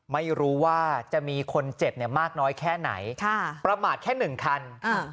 ไม่รู้ว่าจะมีคนเจ็บเนี่ยมากน้อยแค่ไหนค่ะประมาทแค่หนึ่งคันอ่า